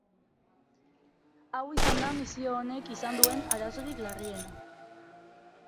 Hau izan da misio honek izan duen arazorik larriena.